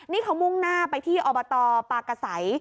นี่เค้ามุ่งหน้าที่อบตปากกะไส